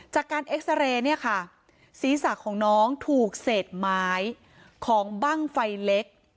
จากการเอ็กซาเรย์เนี่ยค่ะศีรษะของน้องถูกเศษไม้ของบ้างไฟเล็ก